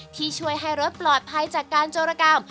ที่ช่วยให้รถปลอดภัยจากการโจรกรรม